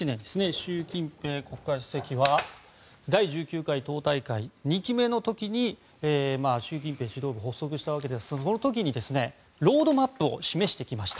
習近平国家主席は第１９回党大会２期目の時に習近平指導部が発足したわけですがその時にロードマップを示してきました。